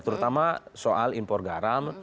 terutama soal impor garam